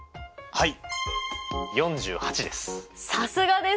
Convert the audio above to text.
はい。